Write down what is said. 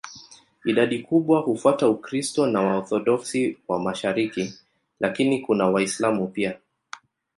Idadi kubwa hufuata Ukristo wa Waorthodoksi wa mashariki, lakini kuna Waislamu pia.